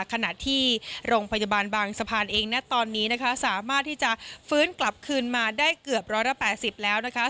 ขณะที่โรงพยาบาลบางสะพานเองนะตอนนี้นะคะสามารถที่จะฟื้นกลับคืนมาได้เกือบ๑๘๐แล้วนะคะ